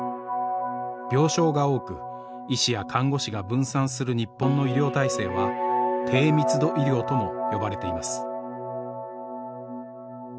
病床が多く医師や看護師が分散する日本の医療体制は低密度医療とも呼ばれています。